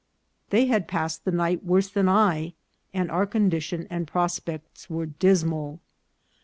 They had passed the night worse than I, and our condition and prospects were dismal.